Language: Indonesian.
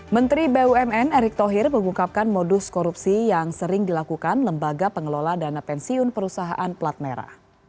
menteri bumn erick thohir mengungkapkan modus korupsi yang sering dilakukan lembaga pengelola dana pensiun perusahaan pelat merah